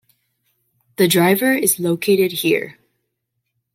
The driver is located here.